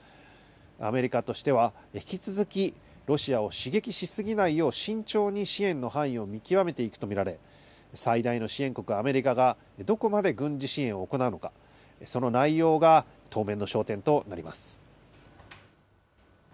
アメリカとしては、引き続きロシアを刺激し過ぎないよう慎重に支援の範囲を見極めていくと見られ、最大の支援国アメリカがどこまで軍事支援を行うのか、その内容が当面の焦点となります。